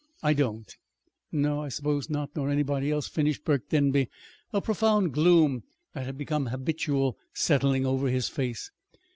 "I don't." "No, I suppose not nor anybody else," finished Burke Denby, a profound gloom that had become habitual settling over his face.